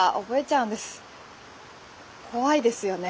怖いですよね